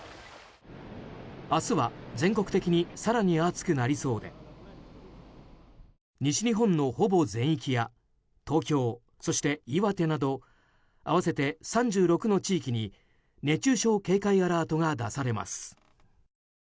明日は全国的に更に暑くなりそうで西日本のほぼ全域や東京、そして岩手など合わせて３６の地域に熱中症警戒アラートが出されます。